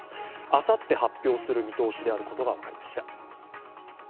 あさって、発表する見通しであることが分かりました。